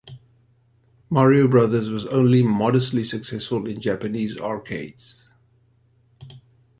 "Mario Brothers" was only modestly successful in Japanese arcades.